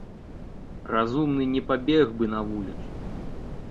Разумны не пабег бы на вуліцу.